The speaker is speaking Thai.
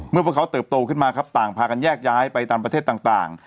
เมื่อพวกเขาเติบโตขึ้นมาครับต่างพากันแยกย้ายไปตามประเทศต่าง